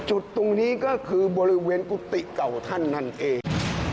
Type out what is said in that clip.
จุดตรงนี้ก็คือบริเวณกุฏิเก่าท่านนั่นเอง